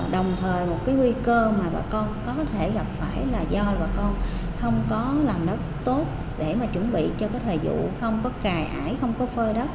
đồng thời một cái nguy cơ mà bà con có thể gặp phải là do bà con không có làm đất tốt để mà chuẩn bị cho cái thời vụ không có cài ải không có phơ đất